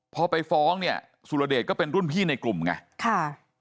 พอไปฟ้องเนี่ยสุรเดชก็เป็นรุ่นพี่ในกลุ่มไงค่ะ